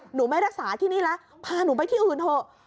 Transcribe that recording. หนูไม่รักษาที่นี่แล้วพาหนูไปที่อื่นเถอะ